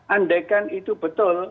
andai kan itu betul